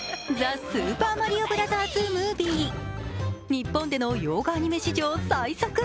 日本での洋画アニメ史上最速。